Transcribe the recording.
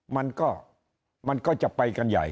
มันก็จะไปกันใหญ่